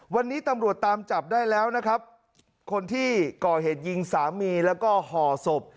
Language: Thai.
วันนี้ตำรวจตามจับได้แล้วนะครับคนที่ก่อเหตุยิงสามีแล้วก็ห่อศพ